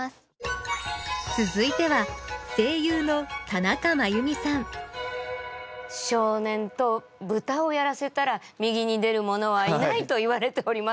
続いては少年とぶたをやらせたら右に出るものはいないといわれております。